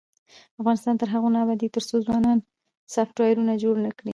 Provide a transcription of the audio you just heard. افغانستان تر هغو نه ابادیږي، ترڅو ځوانان سافټویرونه جوړ نکړي.